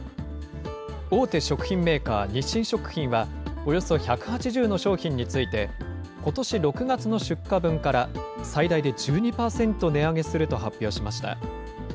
大手食品メーカー、日清食品は、およそ１８０の商品について、ことし６月の出荷分から最大で１２％値上げすると発表しました。